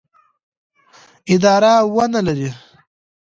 اداره ونه لري.